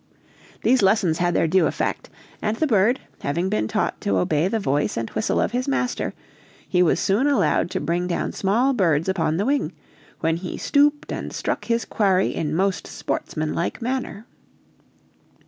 These lessons had their due effect, and the bird, having been taught to obey the voice and whistle of his master, he was soon allowed to bring down small birds upon the wing, when he stooped and struck his quarry in most sportsmanlike manner.